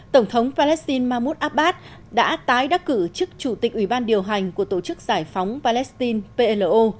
tổng thống palestine mahmoud abbas đã tái đắc cử chức chủ tịch ủy ban điều hành của tổ chức giải phóng palestine plo